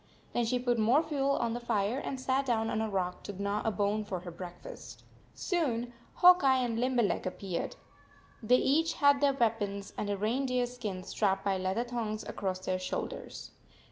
.Then she put more fuel on the fire and sat down on a rock to gnaw a bone for her breakfast. Soon Hawk Eye and Limberleg ap peared. They each had their weapons, and a reindeer skin strapped by leather thongs across their shoulders.